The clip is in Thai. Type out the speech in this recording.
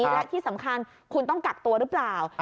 และที่สำคัญคุณต้องกักตัวหรือเปล่า